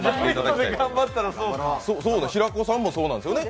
そう、平子さんもそうなんですよね